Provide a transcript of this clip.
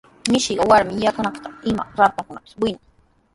Mishiqa warmi yanukunqanman ima raktrakunatapis winan.